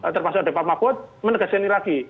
termasuk ada pak mahfud menegaskan ini lagi